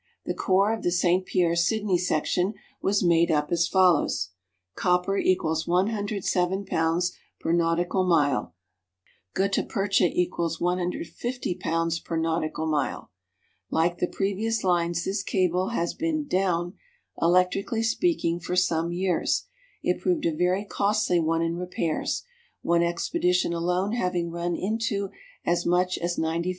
The core of the St. Pierre Sydney section was made up as follows: Copper = 107 pounds per nautical mile; gutta percha = 150 pounds per nautical mile. Like the previous lines, this cable has been "down," electrically speaking, for some years. It proved a very costly one in repairs, one expedition alone having run into as much as £95,000.